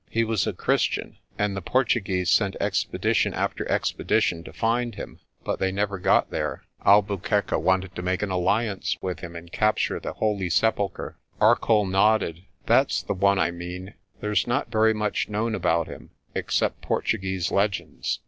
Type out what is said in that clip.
He was a Christian, and the Portuguese sent expedition after expedition to find him, but they never got ARCOLL TELLS A TALE 95 there. Albuquerque wanted to make an alliance with him and capture the Holy Sepulchre." Arcoll nodded. "That's the one I mean. There's not very much known about him, except Portuguese legends.